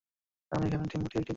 আমি এখানে ডিম রুটি বিক্রি করি।